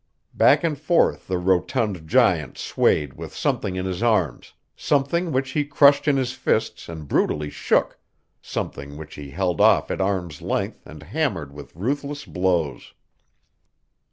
Back and forth the rotund giant swayed with something in his arms, something which he crushed in his fists and brutally shook, something which he held off at arm's length and hammered with ruthless blows.